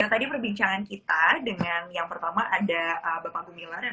ya tadi perbincangan kita dengan yang pertama ada bapak gumilang